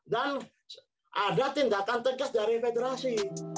dan ada tindakan tegas dari federasi